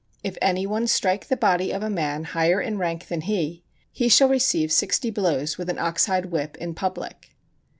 If any one strike the body of a man higher in rank than he, he shall receive sixty blows with an ox hide whip in public.